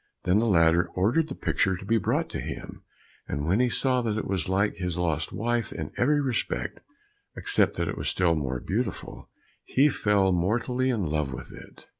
Then the latter ordered the picture to be brought to him, and when he saw that it was like his lost wife in every respect, except that it was still more beautiful, he fell mortally in love with it.